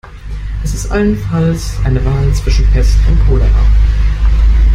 Es ist allenfalls eine Wahl zwischen Pest und Cholera.